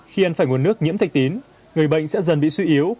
khi ăn phải nguồn nước nhiễm thạch tín người bệnh sẽ dần bị suy yếu